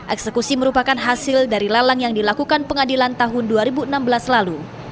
eksekusi merupakan hasil dari lelang yang dilakukan pengadilan tahun dua ribu enam belas lalu